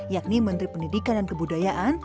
yakni menteri pendidikan dan kebudayaan